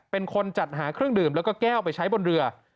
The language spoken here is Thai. เป็นคนจัดหาเครื่องดื่มแล้วก็แก้วไปใช้บนเรือ